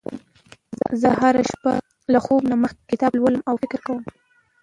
زه هره شپه له خوب نه مخکې کتاب لولم او فکر کوم